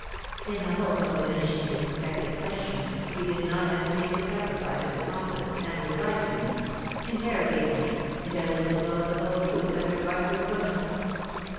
In the hope of diminishing his expected punishment, he did not hesitate to sacrifice his accomplice, and replied to me, 'Interrogate me, and I will disclose the whole truth as regards this woman.'"